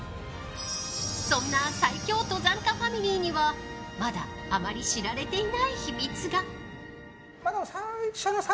そんな最強登山家ファミリーにはまだ、あまり知られていない秘密が。